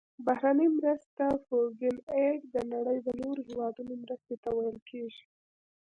بهرنۍ مرستې Foreign Aid د نړۍ د نورو هیوادونو مرستې ته ویل کیږي.